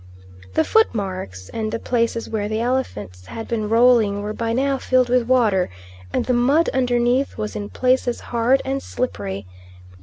The footmarks and the places where the elephants had been rolling were by now filled with water, and the mud underneath was in places hard and slippery.